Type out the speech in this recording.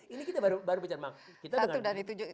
ini kita baru bercanda